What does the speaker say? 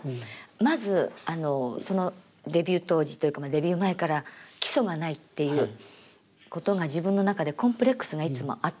まずデビュー当時というかデビュー前から基礎がないっていうことが自分の中でコンプレックスがいつもあったんですね。